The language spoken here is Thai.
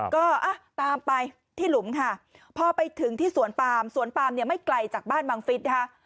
ก็ตามไปที่หลุมค่ะพอไปถึงที่สวนปามสวนปามเนี่ยไม่ไกลจากบ้านบังฟิศนะคะ